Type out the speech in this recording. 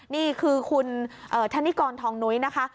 นี่คือคุณธนิกรทองนุ้ยนะคะ